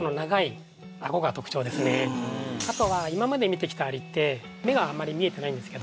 あとは今まで見てきたアリって目があんまり見えてないんですけど